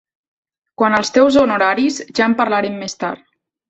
Quant als teus honoraris, ja en parlarem més tard.